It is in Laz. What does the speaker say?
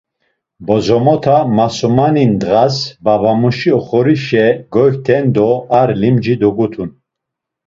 Bozomota masumani ndğas babamuşi oxorişe goykten do ar limci dogutun.